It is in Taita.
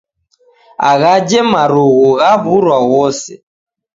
Aghaje marughu ghaw'urwa ghose